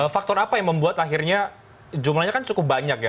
faktor apa yang membuat akhirnya jumlahnya kan cukup banyak ya